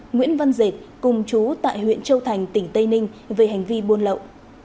nguyễn văn dệt cùng chú tại huyện châu thành tỉnh tây ninh về hành vi buôn lậu